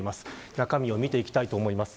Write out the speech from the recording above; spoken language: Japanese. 中身を見ていきたいと思います。